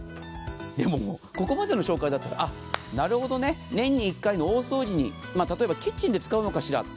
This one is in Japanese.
でも、ここまでの紹介なら、なるほどね、年に一回の大掃除に例えばキッチンに使うのかしら？